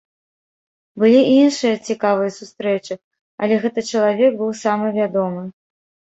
Былі і іншыя цікавыя сустрэчы, але гэты чалавек быў самы вядомы.